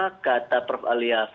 tidak ada satu pasangannya